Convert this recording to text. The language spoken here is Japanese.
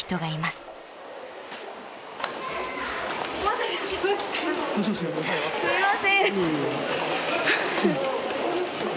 すいません。